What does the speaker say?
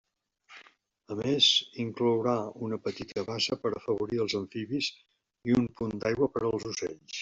A més, inclourà una petita bassa per afavorir els amfibis i un punt d'aigua per als ocells.